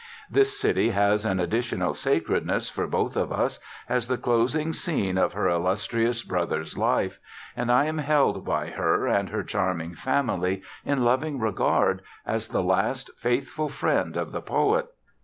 This city has an additional sacredness for both of us as the closing scene of her illustrious brother's life, and I am held by her and her charming family in loving regard as the last faithful friend of the poet.